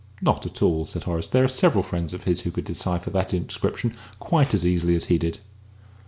"Not at all," said Horace. "There are several friends of his who could decipher that inscription quite as easily as he did."